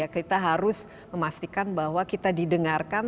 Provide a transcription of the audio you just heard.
kita harus memastikan bahwa kita didengarkan